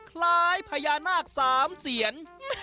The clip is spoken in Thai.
คล้ายพญานาคสามเซียน